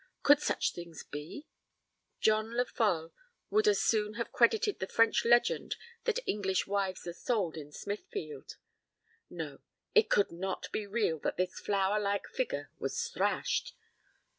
Could such things be? John Lefolle would as soon have credited the French legend that English wives are sold in Smithfield. No! it could not be real that this flower like figure was thrashed.